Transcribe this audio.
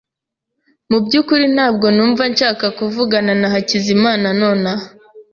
Mu byukuri ntabwo numva nshaka kuvugana na Hakizimana nonaha.